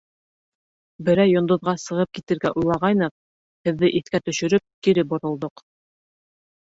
Берәй йондоҙға сығып китергә уйлағайныҡ, һеҙҙе иҫкә төшөрөп, кире боролдоҡ...